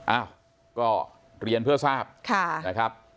อ้าวก็เรียนเพื่อทราบนะครับ